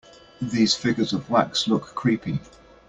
These figures of wax look creepy.